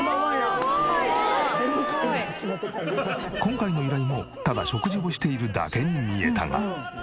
今回の依頼もただ食事をしているだけに見えたが。